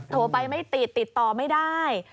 โทรไปไม่ติดติดต่อไม่ได้